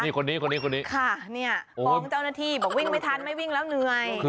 นี่คนนี้คนนี้คนนี้ฟ้องเจ้าหน้าที่บอกวิ่งไม่ทันไม่วิ่งแล้วเหนื่อย